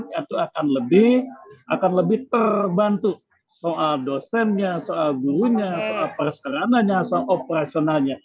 itu akan lebih akan lebih terbantu soal dosennya soal gurunya soal perserananya soal operasionalnya